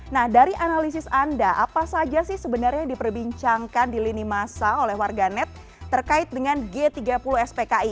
nah dari analisis anda apa saja sih sebenarnya yang diperbincangkan di lini masa oleh warganet terkait dengan g tiga puluh spki